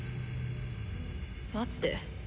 待って。